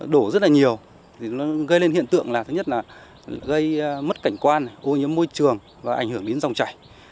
đổ rất là nhiều thì nó gây lên hiện tượng là thứ nhất là gây mất cảnh quan ô nhiễm môi trường và ảnh hưởng đến dòng chảy